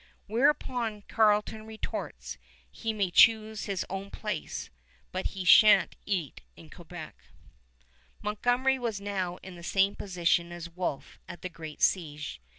Whereupon Carleton retorts, "He may choose his own place, but he shan't eat it in Quebec." Montgomery was now in the same position as Wolfe at the great siege.